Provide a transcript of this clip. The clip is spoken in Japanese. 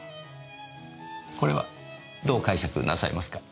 これはどう解釈なさいますか？